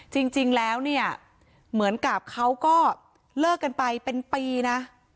จริงแล้วเนี่ยเหมือนกับเขาก็เลิกกันไปเป็นปีนะ